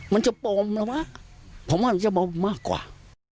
มันจะปมแล้ววะผมว่ามันจะบอมมากกว่า